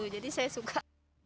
jadi saya suka